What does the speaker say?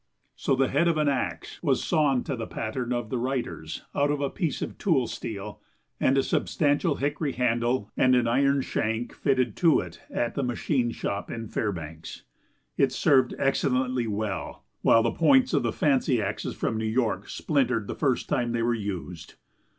So the head of an axe was sawn to the pattern of the writer's out of a piece of tool steel and a substantial hickory handle and an iron shank fitted to it at the machine shop in Fairbanks. It served excellently well, while the points of the fancy axes from New York splintered the first time they were used.